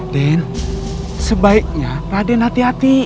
den sebaiknya raden hati hati